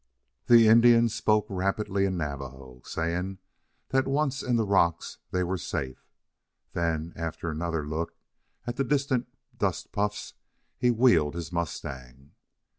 The Indian spoke rapidly in Navajo, saying that once in the rocks they were safe. Then, after another look at the distant dust puffs, he wheeled his mustang.